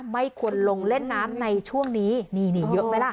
ไม่ควรลงเล่นน้ำในช่วงนี้นี่นี่เยอะไหมล่ะ